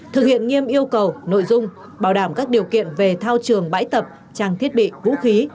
thực hiện nghiêm yêu cầu nội dung bảo đảm các điều kiện về thao trường bãi tập trang thiết bị vũ khí